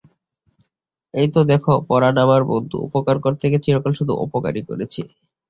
এই তো দাখো পরাণ আমার বন্ধু, উপকার করতে গিয়ে চিরকাল শুধু অপকারই করেছি।